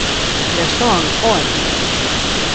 Their song Oi!